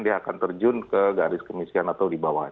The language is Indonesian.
dia akan terjun ke garis kemiskinan atau dibawah